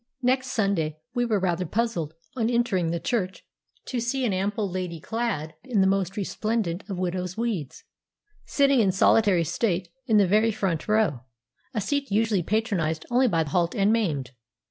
Next Sunday we were rather puzzled on entering the church to see an ample lady clad in the most resplendent of widow's weeds, sitting in solitary state in the very front row—a seat usually patronised only by the halt and maimed.